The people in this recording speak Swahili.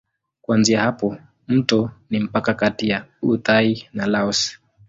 Kuanzia hapa mto ni mpaka kati ya Uthai na Laos.